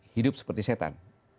hidup seperti setan